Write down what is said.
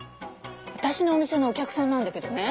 私のお店のお客さんなんだけどね。